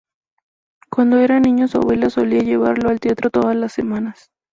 Cuando era niño, su abuela solía llevarlo al teatro todas las semanas.